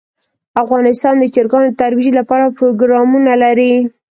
افغانستان د چرګان د ترویج لپاره پروګرامونه لري.